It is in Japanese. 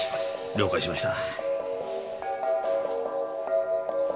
了解しました。